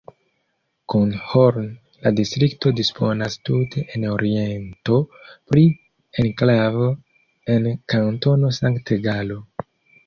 Kun Horn la distrikto disponas tute en oriento pri enklavo en Kantono Sankt-Galo.